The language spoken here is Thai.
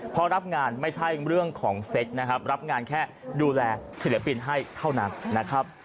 เพราะรับงานไม่ใช่เรื่องของเซ็กนะครับรับงานแค่ดูแลศิลปินให้เท่านั้นนะครับ